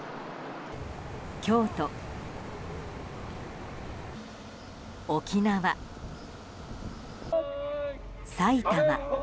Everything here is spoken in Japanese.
京都、沖縄、埼玉。